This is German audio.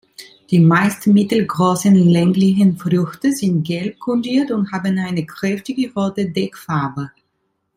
Die meist mittelgroßen, länglichen Früchte sind gelb grundiert und haben eine kräftige rote Deckfarbe.